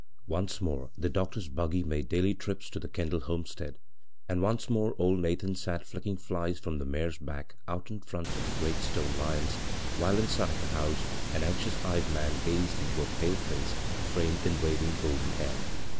Once more the doctor's buggy made daily trips to the Kendall homestead, and once more old Nathan sat flicking flies from the mare's back out in front of the great stone lions, while inside the house an anzious eyed man gazed into a pale ia.ce framed in waving golden hair.